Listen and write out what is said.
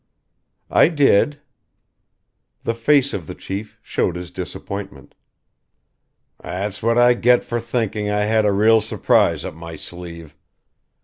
"I did." The face of the chief showed his disappointment: "That's what I get for thinking I had a real surprise up my sleeve.